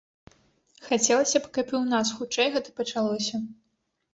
Хацелася б, каб і у нас хутчэй гэта пачалося.